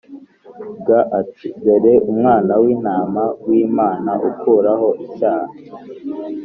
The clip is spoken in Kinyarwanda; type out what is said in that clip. Ga ati dore umwana w intama w imana ukuraho icyaha